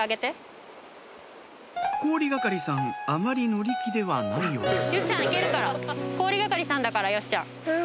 氷係さんあまり乗り気ではないようですヨシちゃん。